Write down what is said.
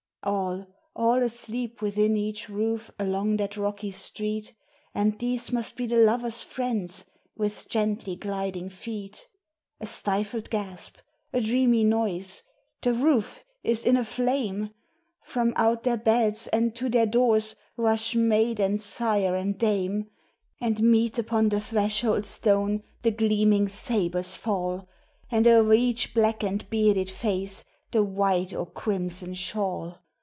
All, all asleep within each roof along that rocky street, And these must be the lover's friends, with gently gliding feet. A stifled gasp! a dreamy noise! The roof is in a flame! From out their beds, and to their doors, rush maid and sire and dame, And meet upon the threshold stone, the gleaming sabre's fall, And o'er each black and bearded face the white or crimson shawl.